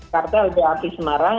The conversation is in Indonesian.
kartel lbap semarang